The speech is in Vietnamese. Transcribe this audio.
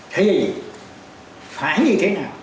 thì phải như thế nào